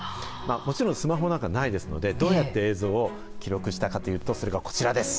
もちろんスマホなんかないですので、どうやって映像を記録したかうわー。